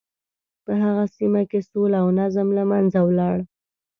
په هغه سیمه کې سوله او نظم له منځه ولاړ.